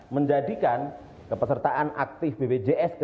menjadikan kepesertaan aktif bpjs kesehatan sebagai syarat jualan